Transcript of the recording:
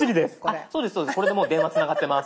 そうですこれでもう電話つながってます。